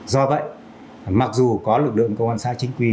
do vậy mặc dù có lực lượng công an xã chính quy